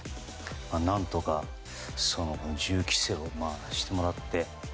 何とか銃規制をしてもらって。